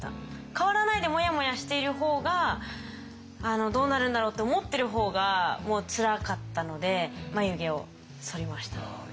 変わらないでモヤモヤしている方がどうなるんだろうって思ってる方がもうつらかったので眉毛をそりました。